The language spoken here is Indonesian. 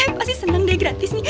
pasti seneng deh gratis nih